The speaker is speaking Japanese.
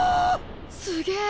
すげえ！